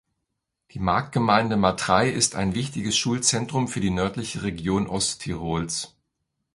Die Marktgemeinde Matrei ist ein wichtiges Schulzentrum für die nördlich Region Osttirols.